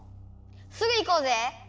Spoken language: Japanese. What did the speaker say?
すぐ行こうぜ！